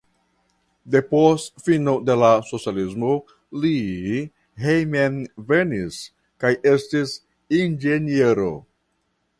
Depost fino de la socialismo li hejmenvenis kaj estis inĝeniero.